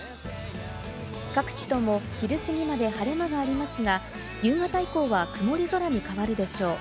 各地とも昼すぎまで晴れ間がありますが、夕方以降は曇り空に変わるでしょう。